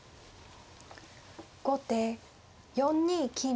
後手４二金。